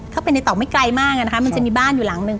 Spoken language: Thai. เข้าไปในตอกไม่ไกลมากนะคะมันจะมีบ้านอยู่หลังนึง